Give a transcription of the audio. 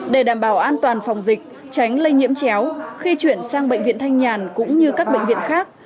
để đảm bảo an toàn phòng dịch tránh lây nhiễm chéo khi chuyển sang bệnh viện thanh nhàn cũng như các bệnh viện khác